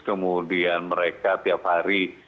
kemudian mereka tiap hari